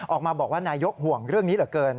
ออกมาบอกว่านายกห่วงเรื่องนี้เหลือเกิน